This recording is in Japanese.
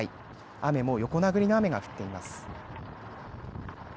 雨も横殴りの雨が降っています。